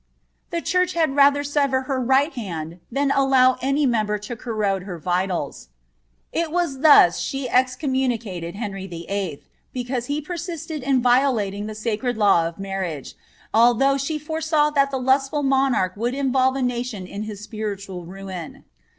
The Church had rather sever her right hand than allow any member to corrode her vitals. It was thus she excommunicated Henry VIII. because he persisted in violating the sacred law of marriage, although she foresaw that the lustful monarch would involve a nation in his spiritual ruin.